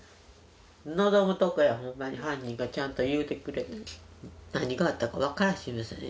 望むところや、ほんまに、犯人がちゃんと言うてくれへんと、何があったか分からんし、娘に。